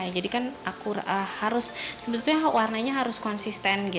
jadi kan harus sebetulnya warnanya harus konsisten